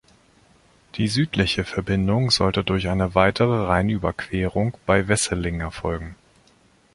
Die südliche Verbindung sollte durch eine weitere Rheinüberquerung bei Wesseling erfolgen.